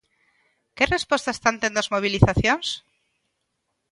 Que resposta están tendo as mobilizacións?